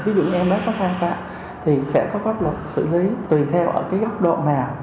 ví dụ như em bé có sai phạm thì sẽ có pháp luật xử lý tùy theo ở cái góc độ nào